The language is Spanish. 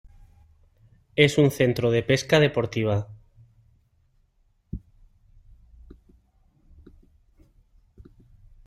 Es un centro de pesca deportiva.